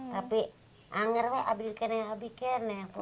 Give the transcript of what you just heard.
tapi saya tidak bisa mengerti apa apa